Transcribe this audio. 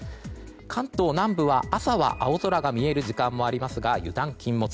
関東南部は、朝は青空が見える時間もありますが油断禁物。